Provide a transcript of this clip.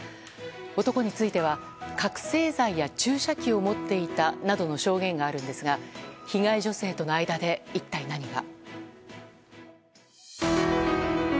男については、覚醒剤や注射器を持っていたなどの証言があるんですが被害女性との間で一体何が。